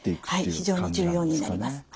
非常に重要になります。